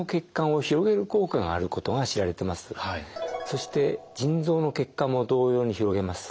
そして腎臓の血管も同様に広げます。